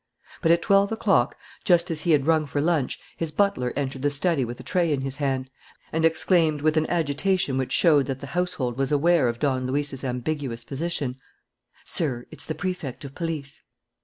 But, at twelve o'clock, just as he had rung for lunch, his butler entered the study with a tray in his hand, and exclaimed, with an agitation which showed that the household was aware of Don Luis's ambiguous position: "Sir, it's the Prefect of Police!"